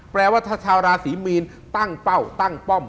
แปลว่าถ้าชาวราศีมีนตั้งเป้าตั้งป้อม